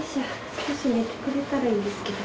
少し寝てくれたらいいんですけど。